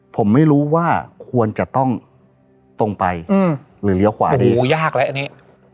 ผมไม่รู้ว่าควรจะต้องตรงไปหรือเลี้ยวขวาโอ้โหยากแล้วอันนี้